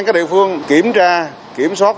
các địa phương kiểm tra kiểm soát